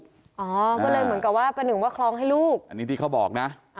อ๋อก็เลยเหมือนกับว่าประหนึ่งว่าคลองให้ลูกอันนี้ที่เขาบอกนะ